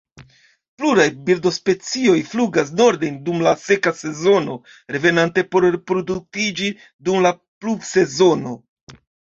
Pluraj birdospecioj flugas norden dum la seka sezono, revenante por reproduktiĝi dum la pluvsezono.